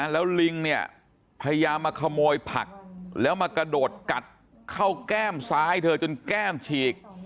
แล้วลิงเนี่ยพยายามมาขโมยผักแล้วมากระโดดกัดเข้าแก้มซ้ายเธอจนแก้มฉีก